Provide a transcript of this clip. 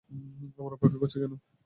আমরা অপেক্ষা করছি কেন?